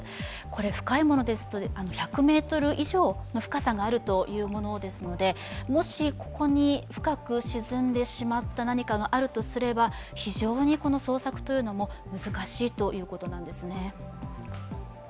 これ、深いものですと１００ｍ以上の深さがあるというものですのでもし、ここに深く沈んでしまった何かがあるとすれば、非常に捜索も難しいということなんですね。